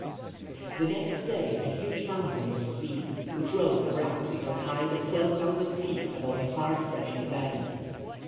The next day a huge mountain was seen, which rose abruptly to a height of 12,000 feet above a far stretching land.